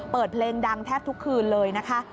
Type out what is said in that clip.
เปิดเพลงดังแทบทุกคืนเลยนะคะ